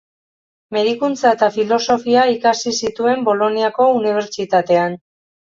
Medikuntza eta Filosofia ikasi zituen Boloniako Unibertsitatean.